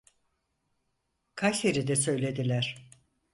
Kayseri'de söylediler.